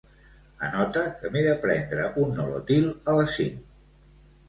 Anota que m'he de prendre un Nolotil a les cinc.